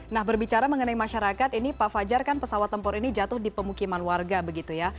nah berbicara mengenai masyarakat ini pak fajar kan pesawat tempur ini jatuh di pemukiman warga begitu ya